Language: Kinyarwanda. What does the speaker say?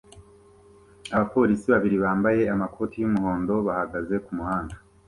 Abapolisi babiri bambaye amakoti y'umuhondo bahagaze kumuhanda